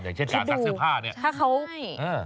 อย่างเช่นการซักเสื้อผ้าเนี่ย